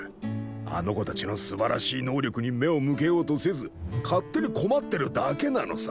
あの子たちのすばらしい能力に目を向けようとせず勝手に困ってるだけなのさ。